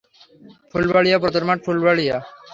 ফুলবাড়িয়া পুরাতন মঠ, ফুলবাড়িয়া।